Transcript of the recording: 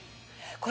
これ。